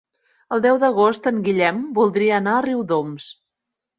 El deu d'agost en Guillem voldria anar a Riudoms.